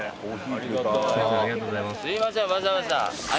ありがとうございます。